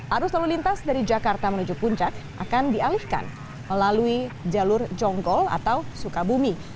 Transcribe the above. arus lalu lintas dari jakarta menuju puncak akan dialihkan melalui jalur jonggol atau sukabumi